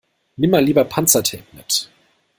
Nimm mal lieber Panzertape mit.